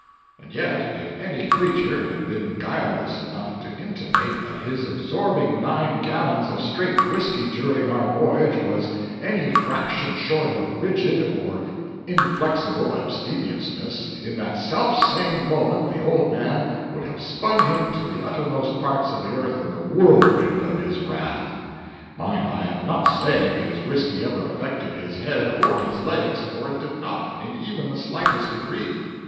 And yet if any creature had been guileless enough to intimate that his absorbing nine gallons of "straight" whiskey during our voyage was any fraction short of rigid or inflexible abstemiousness, in that self same moment the old man would have spun him to the uttermost parts of the earth in the whirlwind of his wrath. Mind, I am not saying his whisky ever affected his head or his legs, for it did not, in even the slightest degree.